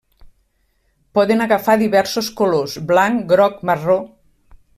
Poden agafar diversos colors: blanc, groc, marró.